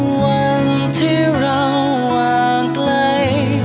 วันที่เราวางไกล